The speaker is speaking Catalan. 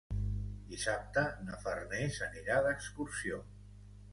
Dissabte na Farners anirà d'excursió.